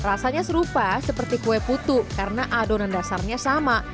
tepung berasnya berupa seperti kue putu karena adonan dasarnya sama